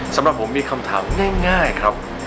สำหรับผมมีคำถามง่ายครับ